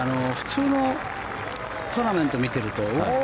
普通のトーナメントを見てるとおお！